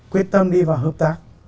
quyết tâm đi vào hợp tác